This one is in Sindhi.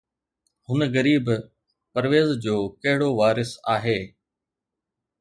هن غريب پرويز جو ڪهڙو وارث آهي؟